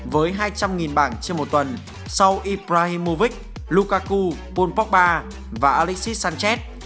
với hai trăm linh bảng trên một tuần sau ibrahimovic lukaku pogba và alexis sanchez